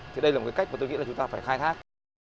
thì đây là một cái cách mà tôi nghĩ là chúng ta phải khai thác